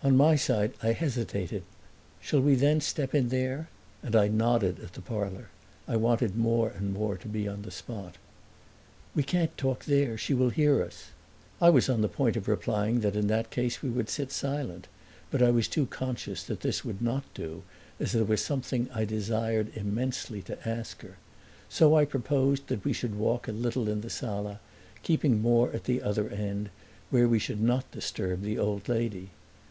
On my side I hesitated. "Shall we then step in there?" And I nodded at the parlor; I wanted more and more to be on the spot. "We can't talk there she will hear us." I was on the point of replying that in that case we would sit silent, but I was too conscious that this would not do, as there was something I desired immensely to ask her. So I proposed that we should walk a little in the sala, keeping more at the other end, where we should not disturb the old lady.